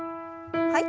はい。